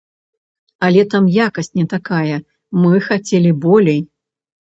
Але там якасць не такая, мы хацелі болей.